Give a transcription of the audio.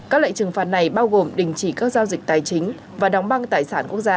các lệnh trừng phạt này bao gồm đình chỉ các giao dịch tài chính và đóng băng tài sản quốc gia